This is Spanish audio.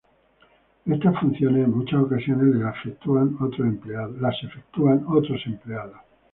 Estas funciones, en muchas ocasiones, las efectúan otros empleados.